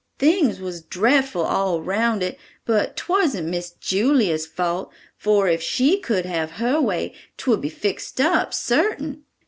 Things was drefful all round it, but 'twasn't Miss Julia's fault, for if she could have her way 'twould be fixed up, sartin.